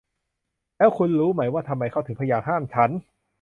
แล้วคุณรู้ไหมว่าทำไมเขาถึงพยายามห้ามฉัน ?